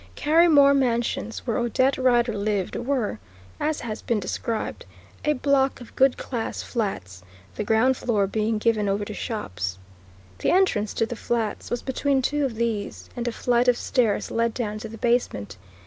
Carrymore Mansions, where Odette Rider lived, were, as has been described, a block of good class flats, the ground floor being given over to shops. The entrance to the flats was between two of these, and a flight of stairs led down to the basement.